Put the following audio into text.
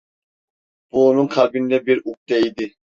Bu onun kalbinde bir ukde idi.